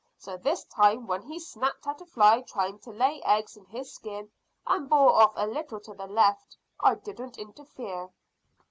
So this time when he snapped at a fly trying to lay eggs in his skin, and bore off a little to the left, I didn't interfere."